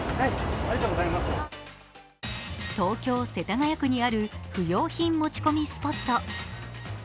東京・世田谷区にある不要品持ち込みスポット。